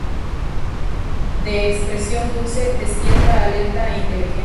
De expresión dulce, despierta, alerta e inteligente.